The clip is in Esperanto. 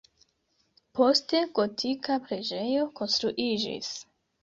Poste gotika preĝejo konstruiĝis.